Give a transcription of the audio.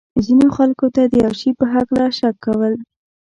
ځینو خلکو ته د یو شي په هکله شک کول.